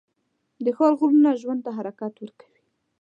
د ښار غږونه ژوند ته حرکت ورکوي